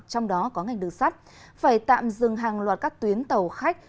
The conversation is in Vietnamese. trong đó có ngành đường sắt phải tạm dừng hàng loạt các tuyến tàu khách